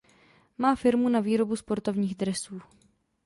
Má firmu na výrobu sportovních dresů.